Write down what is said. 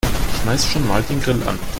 Schmeiß schon mal den Grill an.